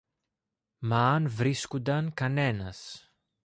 Μ' αν βρίσκουνταν κανένας.